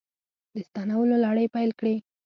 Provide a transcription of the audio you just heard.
د ستنولو لړۍ پیل کړې